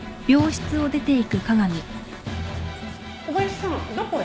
小林さんどこへ？